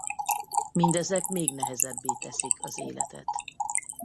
Mindezek még nehezebbé teszik az életet.